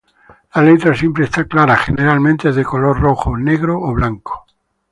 La letra siempre está clara, generalmente es de color rojo, negro o blanco.